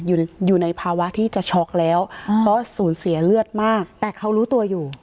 อยู่ในภาวะที่จะช็อกแล้วเพราะสูญเสียเลือดมากแต่เขารู้ตัวอยู่